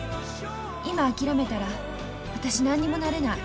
今諦めたら私何にもなれない。